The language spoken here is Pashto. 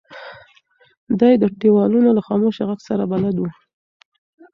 دی د دیوالونو له خاموشه غږ سره بلد و.